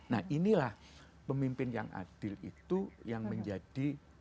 nah inilah pemimpin yang adil itu yang menjadi